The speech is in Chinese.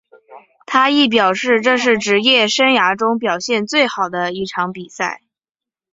他亦表示这是职业生涯中表现最好的一场比赛。